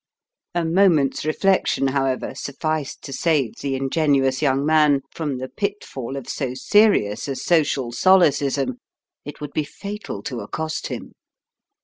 A moment's reflection, however, sufficed to save the ingenuous young man from the pitfall of so serious a social solecism. It would be fatal to accost him.